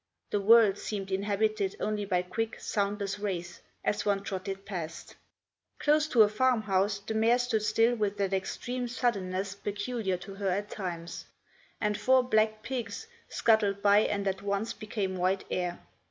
The world seemed inhabited only by quick, soundless wraiths as one trotted past. Close to a farm house the mare stood still with that extreme suddenness peculiar to her at times, and four black pigs scuttled by and at once became white air.